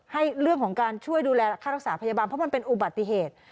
ให้เรื่องของการช่วยดูแลค่ารักษาพยาบาลเพราะมันเป็นอุบัติเหตุ